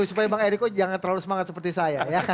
supaya bang eriko jangan terlalu semangat seperti saya